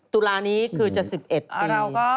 ตุลานี้คือจะ๑๑